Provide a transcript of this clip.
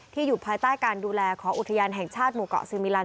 อยู่ภายใต้การดูแลของอุทยานแห่งชาติหมู่เกาะซีมิลัน